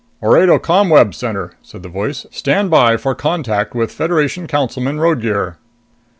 "Orado ComWeb Center," said the voice. "Stand by for contact with Federation Councilman Roadgear."